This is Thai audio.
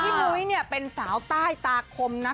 พี่นุ้ยเนี่ยเป็นสาวใต้ตาคมนะ